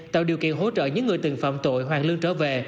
tạo điều kiện hỗ trợ những người từng phạm tội hoàn lương trở về